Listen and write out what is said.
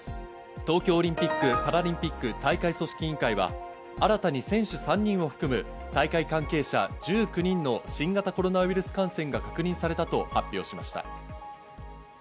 東京オリンピック・パラリンピック大会組織委員会は新たに選手３人を含む大会関係者１９人の新型コロナウイルス感染が確認されたと発表しました。